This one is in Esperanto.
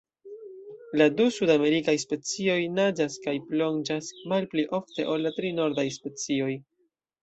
La du sudamerikaj specioj naĝas kaj plonĝas malpli ofte ol la tri nordaj specioj.